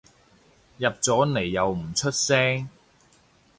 入咗嚟又唔出聲